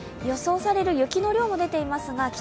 予想される雪の量も出ていますが、